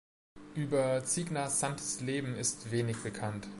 Über Cigna-Santis Leben ist wenig bekannt.